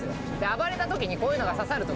暴れたときにこういうのが刺さると。